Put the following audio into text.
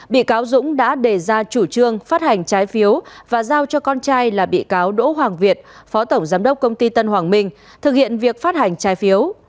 bị cáo dũng đã đề ra chủ trương phát hành trái phiếu và giao cho con trai là bị cáo đỗ hoàng việt phó tổng giám đốc công ty tân hoàng minh thực hiện việc phát hành trái phiếu